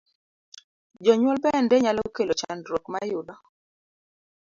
Jonyuol bende nyalo kelo chandruok ma yudo